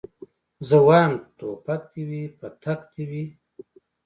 زه وايم ټوپک دي وي پتک دي وي